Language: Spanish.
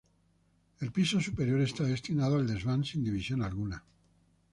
El piso superior está destinado a desván sin división alguna.